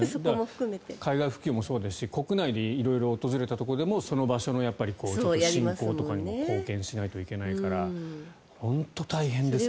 海外普及もそうですし国内で色々訪れたところでもその場所の振興とかにも貢献しないといけないから本当に大変ですよね。